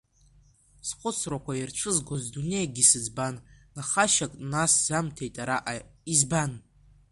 Схәыцрақәа ирцәызгоз дунеикгьы сыӡбан, нхашьак насзамҭеит араҟа, избан?!